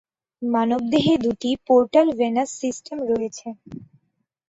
মানবদেহে দুটি portal venous system রয়েছে।